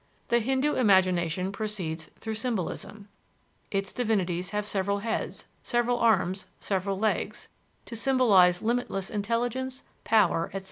The Hindoo imagination proceeds through symbolism: its divinities have several heads, several arms, several legs, to symbolize limitless intelligence, power, etc.